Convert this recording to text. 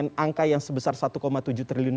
tocok yaksnir ya teman teman